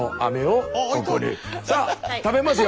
さあ食べますよ。